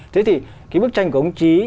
thế thì cái bức tranh của ông trí